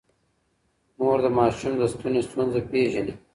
مور د ماشوم د ستوني ستونزه پېژني.